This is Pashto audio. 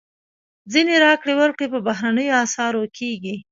ځینې راکړې ورکړې په بهرنیو اسعارو کېږي.